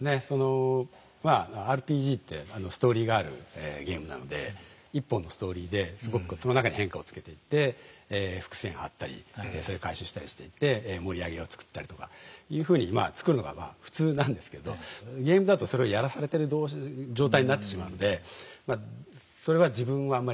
まあＲＰＧってストーリーがあるゲームなので１本のストーリーですごくその中に変化をつけていって伏線張ったりそれ回収したりしていって盛り上げを作ったりとかいうふうにまあ作るのが普通なんですけどゲームだとそれをやらされてる状態になってしまうのでまあそれは自分はあんまり好きじゃないんですね